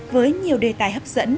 với nhiều đề tài hấp dẫn